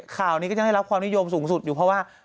ข่าวนี้ก็ยังได้รับความนิยมสูงสุดอยู่เพราะว่า